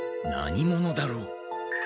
何者だろう？